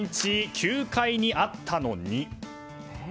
９階にあったのに。